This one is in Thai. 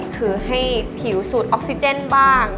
คือให้ผิวสูตรออกซิเจนบ้าง